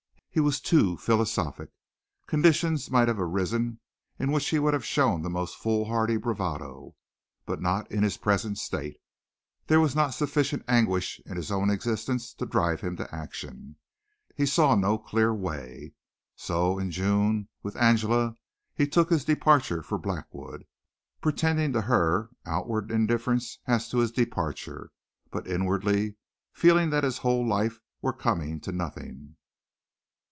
He was too philosophic. Conditions might have arisen in which he would have shown the most foolhardy bravado, but not in his present state. There was not sufficient anguish in his own existence to drive him to action. He saw no clear way. So, in June, with Angela he took his departure for Blackwood, pretending, to her, outward indifference as to his departure, but inwardly feeling as though his whole life were coming to nothing.